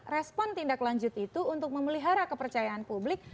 respon tindak lanjut itu untuk memelihara kepercayaan publik